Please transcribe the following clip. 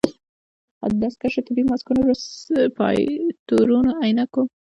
خو د دستکشو، طبي ماسکونو، رسپايرتورونو، عينکو